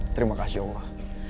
terima kasih allah